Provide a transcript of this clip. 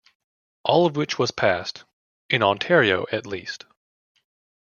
All of which was passed, in Ontario at least.